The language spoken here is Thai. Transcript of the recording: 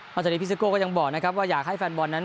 จากนี้พี่ซิโก้ก็ยังบอกนะครับว่าอยากให้แฟนบอลนั้น